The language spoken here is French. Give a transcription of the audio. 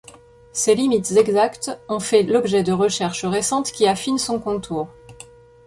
Ses limites exactes ont fait l'objet de recherches récentes qui affinent son contour.